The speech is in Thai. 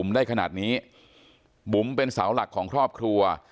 ไม่ตั้งใจครับ